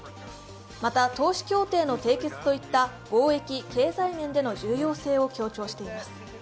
また投資協定の締結といった貿易・経済面での重要性を強調しています。